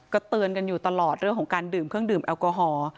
ก็เตือนกันอยู่ตลอดเรื่องของการดื่มเครื่องดื่มแอลกอฮอล์